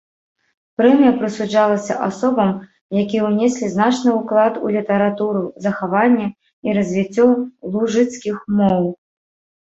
Прэмія прысуджалася асобам, якія ўнеслі значны ўклад у літаратуру, захаванне і развіццё лужыцкіх моў.